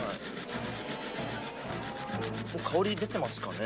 香り出てますかね？